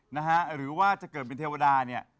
หรือว่าจะเกิดเป็นเทวดาเนี่ย